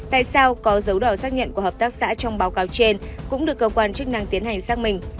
tại sao có dấu đỏ xác nhận của hợp tác xã trong báo cáo trên cũng được cơ quan chức năng tiến hành xác minh